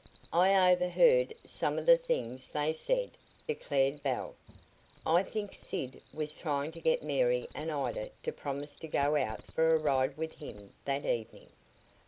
"I overheard some of the things they said," declared Belle. "I think Sid was trying to get Mary and Ida to promise to go out for a ride with him that evening.